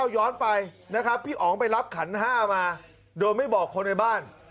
๒๖๕๙ย้อนไปพี่อ๋องไปรับขันห้ามาโดยไม่บอกคนในบ้าน